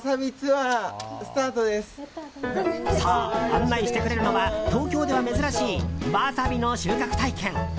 そう、案内してくれるのは東京では珍しいワサビの収穫体験。